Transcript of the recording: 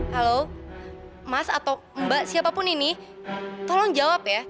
halo mas atau mbak siapapun ini tolong jawab ya